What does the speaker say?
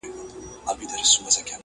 غزل-عبدالباري جهاني!